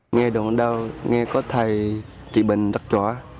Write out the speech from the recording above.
nghe đồng đào nghe có thầy trị bệnh rất rõ